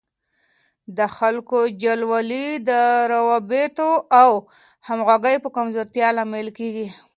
د خلکو جلاوالی د روابطو او همغږۍ په کمزورتیا لامل کیږي.